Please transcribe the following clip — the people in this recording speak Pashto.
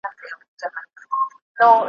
چي ړندې کي غبرګي سترګي د اغیارو ,